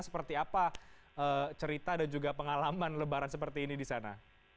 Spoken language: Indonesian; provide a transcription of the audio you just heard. seperti apa cerita dan juga pengalaman lebaran seperti ini di sana